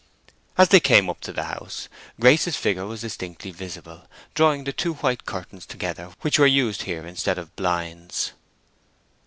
As they came up to the house, Grace's figure was distinctly visible, drawing the two white curtains together which were used here instead of blinds.